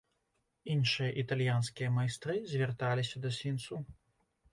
Іншыя італьянскія майстры звярталіся да свінцу.